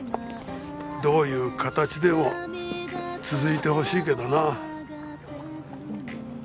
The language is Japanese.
どういう形でも続いてほしいけどなあ。